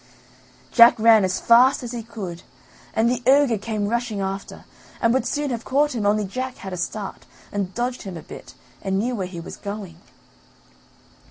Jack ran as fast as he could, and the ogre came rushing after, and would soon have caught him only Jack had a start and dodged him a bit and knew where he was going.